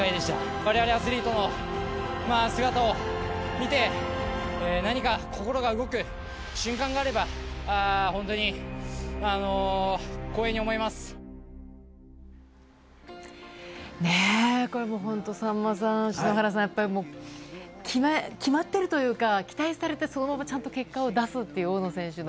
われわれアスリートの姿を見て、何か心が動く瞬間があれば、ねえ、これもう本当、さんまさん、篠原さん、やっぱり決まってるというか、期待されてそのままちゃんと結果を出すっていう大野選手の。